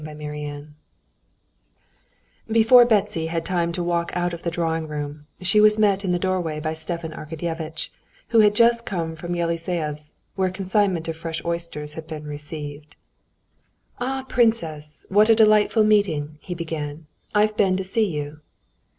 Chapter 21 Before Betsy had time to walk out of the drawing room, she was met in the doorway by Stepan Arkadyevitch, who had just come from Yeliseev's, where a consignment of fresh oysters had been received. "Ah! princess! what a delightful meeting!" he began. "I've been to see you."